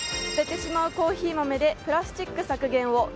捨ててしまうコーヒー豆でプラスチック削減を。